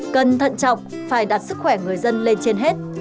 cần thận trọng phải đặt sức khỏe người dân lên trên hết